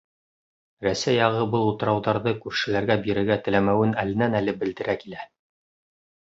Рәсәй яғы был утрауҙарҙы күршеләргә бирергә теләмәүен әленән-әле белдерә килә.